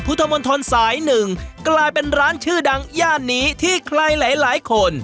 พุทธมนตรสายหนึ่งกลายเป็นร้านชื่อดังย่านนี้ที่ใครหลายหลายคน